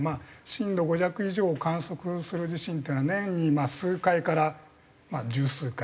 震度５弱以上を観測する地震っていうのは年に数回から十数回。